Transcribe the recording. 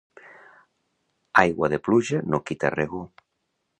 Aigua de pluja no quita regor.